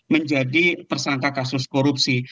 menjadi tersangka kasus korupsi